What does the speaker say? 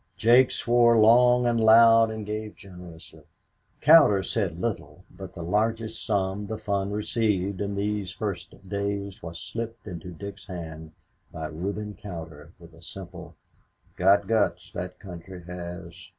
Jake swore long and loud and gave generously. Cowder said little, but the largest sum the fund received in these first days was slipped into Dick's hand by Reuben Cowder with a simple, "Got guts that country has."